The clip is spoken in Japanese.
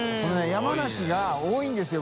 山梨が多いんですよ